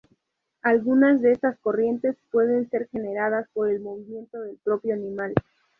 Algunas de estas corrientes pueden ser generadas por el movimiento del propio animal.